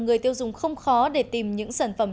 người tiêu dùng không khó để tìm những sản phẩm